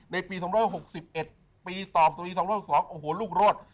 ในปี๒๖๑ปีตอบสตรี๒๖๒โอ้โหลูกรวด